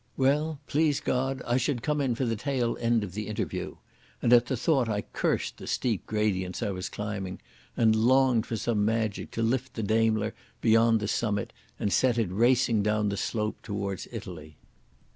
Well, please God, I should come in for the tail end of the interview, and at the thought I cursed the steep gradients I was climbing, and longed for some magic to lift the Daimler beyond the summit and set it racing down the slope towards Italy.